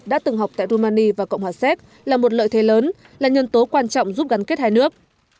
đã từng học tại rumani và cộng hòa séc là một lợi thế lớn là nhân tố quan trọng giúp gắn kết hai nước